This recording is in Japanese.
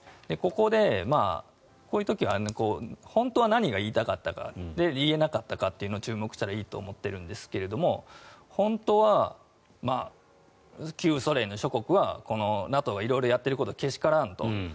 ここで、こういう時は本当は何が言いたかったか言えなかったかというのを注目したらいいと思っていますが本当は旧ソ連諸国はＮＡＴＯが色々やっていることはけしからんと。